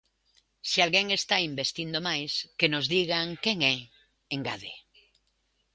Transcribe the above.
"Se alguén está investindo máis, que nos digan quen e", engade.